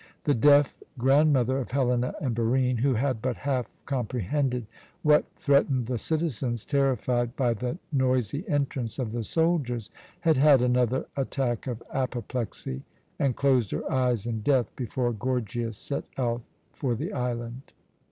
The deaf grandmother of Helena and Barine, who had but half comprehended what threatened the citizens, terrified by the noisy entrance of the soldiers, had had another attack of apoplexy, and closed her eyes in death before Gorgias set out for the island.